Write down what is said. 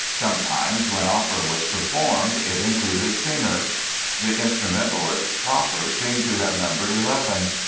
Sometimes, when opera was performed, it included singers. The instrumentalists proper seem to have numbered eleven.